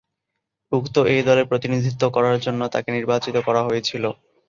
উক্ত 'এ' দলে প্রতিনিধিত্ব করার জন্য তাকে নির্বাচিত করা হয়েছিল।